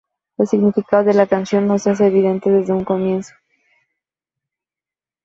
El significado de la canción no se hace evidente desde un comienzo.